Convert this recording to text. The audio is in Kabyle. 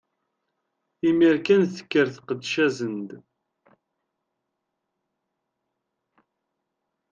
Imiren kan, tekker teqdec-asen-d.